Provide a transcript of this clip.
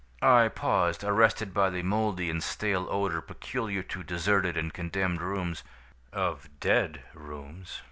I paused, arrested by that moldy and stale odor peculiar to deserted and condemned rooms, of dead rooms.